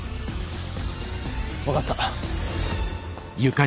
分かった。